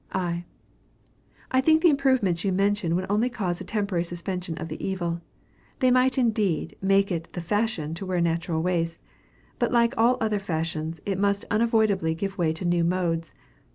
I. I think the improvements you mention would only cause a temporary suspension of the evil. They might indeed make it the fashion to wear natural waists; but like all other fashions, it must unavoidably give way to new modes.